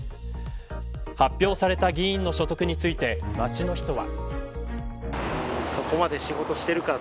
発表された議員の所得について街の人は。